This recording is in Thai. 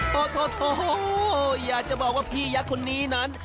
โถอยากจะบอกว่าพี่ยักษ์คนนี้นั้น